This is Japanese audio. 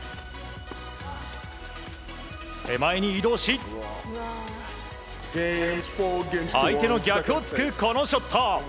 手前に移動し相手の逆を突くこのショット。